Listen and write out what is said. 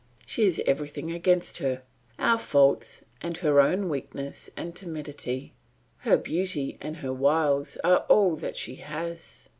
She has everything against her, our faults and her own weakness and timidity; her beauty and her wiles are all that she has.